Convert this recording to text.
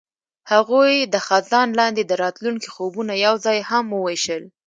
هغوی د خزان لاندې د راتلونکي خوبونه یوځای هم وویشل.